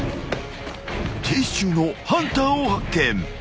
［停止中のハンターを発見］